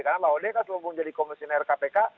karena laude kan selama menjadi komisioner kpk